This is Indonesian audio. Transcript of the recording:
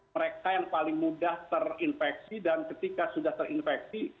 mereka yang paling mudah terinfeksi dan ketika sudah terinfeksi